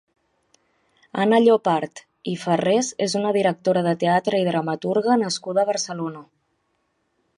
Anna Llopart i Farrés és una directora de teatre i dramaturga nascuda a Barcelona.